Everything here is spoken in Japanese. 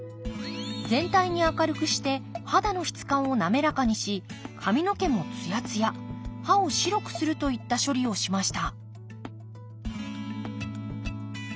全体に明るくして肌の質感を滑らかにし髪の毛もつやつや歯を白くするといった処理をしました